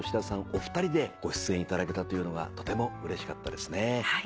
お二人でご出演いただけたというのがとてもうれしかったですね。